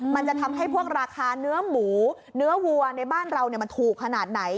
มันจะทำให้พวกราคาเนื้อหมูเนื้อวัวในบ้านเรามันถูกขนาดไหน